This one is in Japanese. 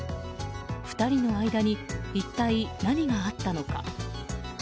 ２人の間に一体何があったのか。